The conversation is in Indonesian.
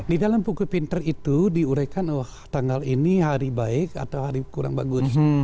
di dalam buku pinter itu diuraikan oh tanggal ini hari baik atau hari kurang bagus